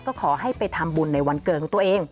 ก็ขอให้ไปทำบุญในวันเกิดของตัวเอง